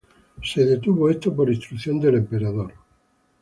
Esto fue detenido por instrucción del emperador.